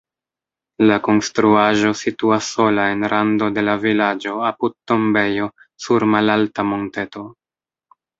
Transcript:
La konstruaĵo situas sola en rando de la vilaĝo apud tombejo sur malalta monteto.